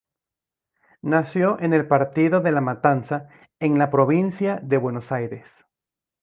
Nació en el partido de La Matanza en la provincia de Buenos Aires.